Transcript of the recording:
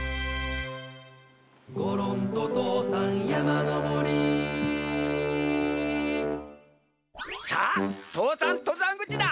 「ごろんととうさんやまのぼり」さあ父山とざんぐちだ。